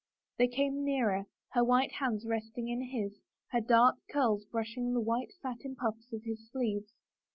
They came nearer, her white hand resting in his, her dark curls brushing the white satin puffs of his sleeves.